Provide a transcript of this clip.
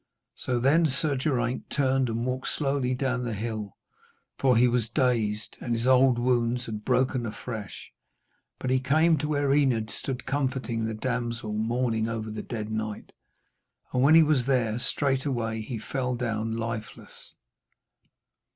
So then Sir Geraint turned and walked slowly down the hill, for he was dazed, and his old wounds had broken afresh. But he came to where Enid stood comforting the damsel mourning over the dead knight, and when he was there, straightway he fell down lifeless.